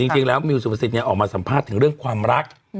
จริงแล้วมิวสุภาษิตออกมาสัมภาษณ์ถึงเรื่องความรัก